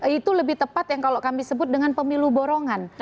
itu lebih tepat yang kalau kami sebut dengan pemilu borongan